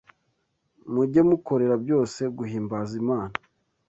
mujye mukorera byose guhimbaza Imana?